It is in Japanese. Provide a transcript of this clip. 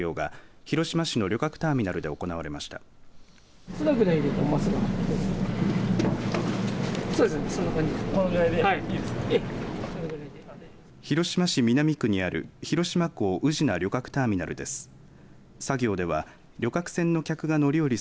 広島市南区にある広島港宇品旅客ターミナルです。